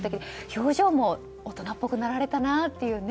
表情も大人っぽくなられたなというね。